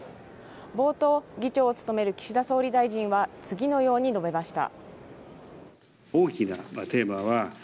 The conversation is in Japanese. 冒頭、議長を務める岸田総理大臣は次のように述べました。